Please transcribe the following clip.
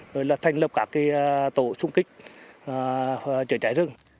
rồi là thành lập các tổ xung kích chữa cháy rừng